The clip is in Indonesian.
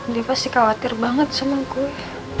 dia pasti khawatir banget sama gue